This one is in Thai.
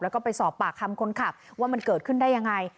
แล้วก็ไปสอบปากคำคนขับว่ามันเกิดขึ้นได้ยังไง